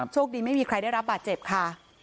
โชคดีไม่มีใครได้รับบาดเจ็บค่ะ